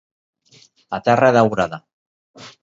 La terra daurada.